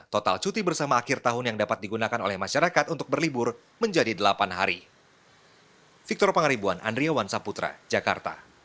total cuti bersama akhir tahun yang dapat digunakan oleh masyarakat untuk berlibur menjadi delapan hari